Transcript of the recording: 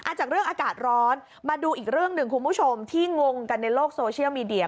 จากเรื่องอากาศร้อนมาดูอีกเรื่องหนึ่งคุณผู้ชมที่งงกันในโลกโซเชียลมีเดีย